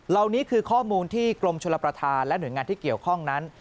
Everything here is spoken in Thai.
เหล่านี้คือข้อมูลที่กรมชลประธานและหน่วยงานที่เกี่ยวข้องนั้น